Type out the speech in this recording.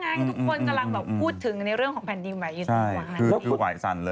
กำลังแบบพูดถึงในเรื่องของแผ่นดินไหวอยู่ตรงวันนั้น